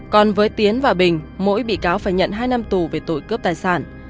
còn với tiến và bình mỗi bị cáo phải nhận hai năm tù về tội cướp tài sản